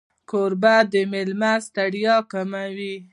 کوربه د مېلمه ستړیا کموي.